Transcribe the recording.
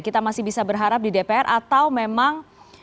kita masih bisa berharap di dpr atau memang